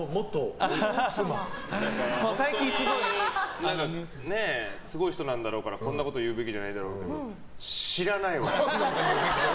本当にすごい人なんだろうからこんなこと言うべきじゃないんだろうけど、知らないわ。